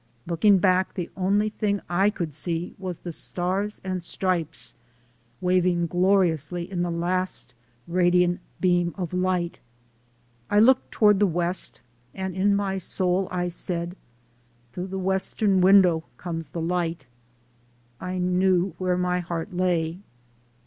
Looking back, the only thing I could see was the Stars and Stripes waving gloriously in the last radiant beam of light. I looked toward the west and in my soul I said, "Through the Western window comes the light." I knew where my heart lay.